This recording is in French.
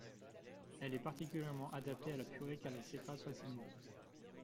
Elle est particulièrement adaptée à la purée car elle s'écrase facilement.